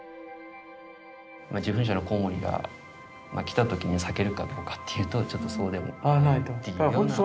受粉者のコウモリが来た時に咲けるかどうかっていうとちょっとそうでもないっていうような。